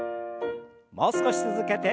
もう少し続けて。